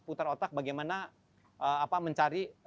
putar otak bagaimana apa menjaga